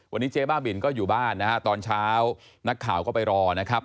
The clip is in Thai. วันนี้เจ๊บ้าบินก็อยู่บ้านนะฮะตอนเช้านักข่าวก็ไปรอนะครับ